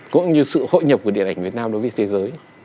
cũng như sự hội nhập của điện ảnh việt nam đối với thế giới